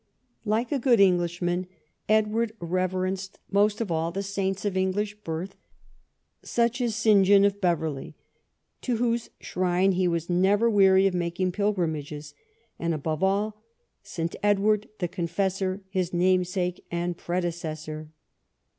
Like a good Englishman, Edward reverenced most of all saints of English birth, such as St. John of Beverley, to whose shrine he was never weary of making pil grimages, and above all, St. Edward the Confessor, his namesake and predecessor.